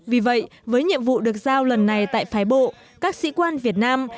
vì vậy với nhiệm vụ được giao lần này tại phái bộ các sĩ quan việt nam